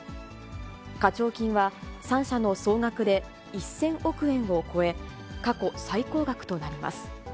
課徴金は３社の総額で１０００億円を超え、過去最高額となります。